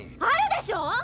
あるでしょ！